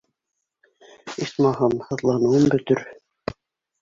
Исмаһам, һыҙланыуым бөтөр.